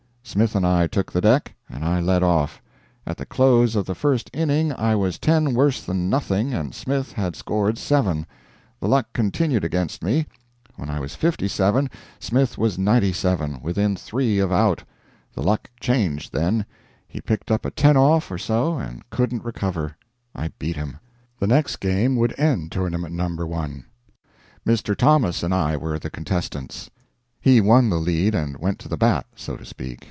Smith and I took the deck, and I led off. At the close of the first inning I was 10 worse than nothing and Smith had scored 7. The luck continued against me. When I was 57, Smith was 97 within 3 of out. The luck changed then. He picked up a 10 off or so, and couldn't recover. I beat him. The next game would end tournament No. 1. Mr. Thomas and I were the contestants. He won the lead and went to the bat so to speak.